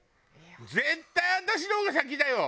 絶対私の方が先だよ！